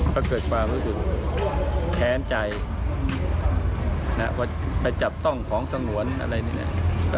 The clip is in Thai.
ก็เกิดความรู้สึกแค้นใจนะว่าไปจับต้องของสงวนอะไรเนี่ยนะ